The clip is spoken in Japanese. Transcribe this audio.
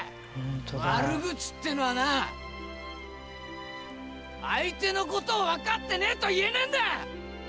悪口ってのはな、相手のことを分かってねえと言えねぇんだ！